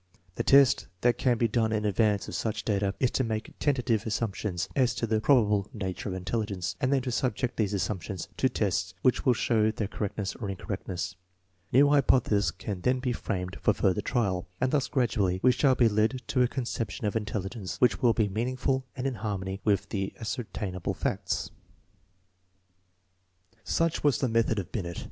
The best that can be done in advance of such data is to make tentative assumptions as to the proWible nature erf intelligence, and then to subject these assumptions to tests which will show their correctness or incorrectness. New hypotheses can then be framed for further trial, am} thus gradually we shall be led to a conception of intelli gence which will be meaningful and in hunnony with all the aseertaiiuible fads Such was the method of Binet.